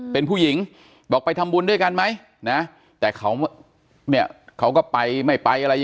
เป็นผู้หญิงบอกไปทำบุญด้วยกันมั้ยนะแต่เขาเขาก็ไปไม่